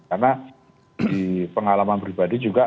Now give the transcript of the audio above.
karena di pengalaman pribadi juga